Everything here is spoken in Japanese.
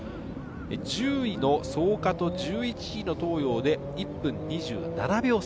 １０位の創価と１１位の東洋で１分２７秒差。